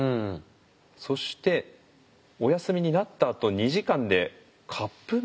そしてお休みになったあと２時間でカップ麺。